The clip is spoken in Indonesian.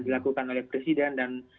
diperlukan oleh presiden dan